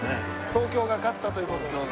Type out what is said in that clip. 東京が勝ったという事ですね。